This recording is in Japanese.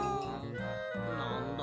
なんだ？